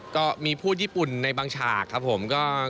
ก็มีพูดญี่ปุ่นในบางฉากครับผม